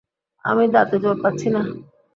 আমি দাঁতে জোর পাচ্ছি না।